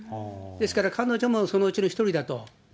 ですから、彼女もそのうちの一人だと。